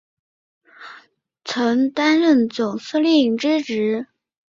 曾担任总司令之职。